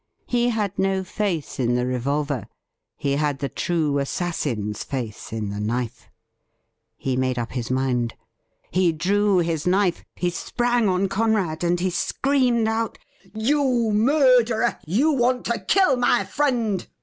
He had no faith in the revolver ; he had the true assassin''s faith in the knife. He made up his mind. He drew his knife, he sprang on Conrad, and he screamed out :' You murderer, you want to kill my friend